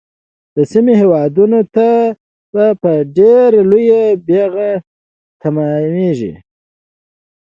د سیمې هیوادونو ته به په ډیره لویه بیعه تمامیږي.